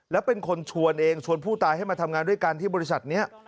แล้วเป็นคนชวนเองชวนผู้ตายให้มาทำงานด้วยกันที่บริษัทนี้